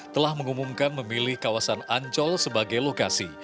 telah mengumumkan memilih kawasan ancol sebagai lokasi